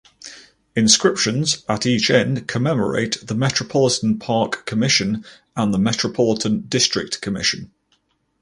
Inscriptions at each end commemorate the Metropolitan Park Commission and the Metropolitan District Commission.